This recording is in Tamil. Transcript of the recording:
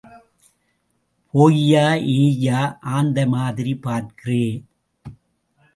போய்யா... ஏய்யா... ஆந்தை மாதிரி பார்க்கறே?